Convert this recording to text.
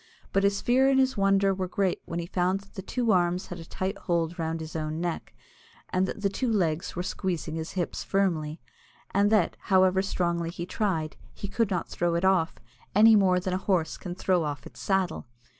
But his fear and his wonder were great when he found that the two arms had a tight hold round his own neck, and that the two legs were squeezing his hips firmly, and that, however strongly he tried, he could not throw it off, any more than a horse can throw off its saddle.